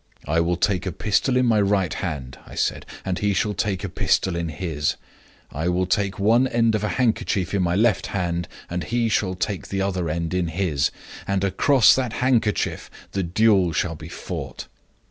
'I will take a pistol in my right hand,' I said, 'and he shall take a pistol in his: I will take one end of a handkerchief in my left hand, and he shall take the other end in his; and across that handkerchief the duel shall be fought.